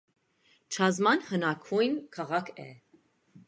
Չազման հնագույն քաղաք է։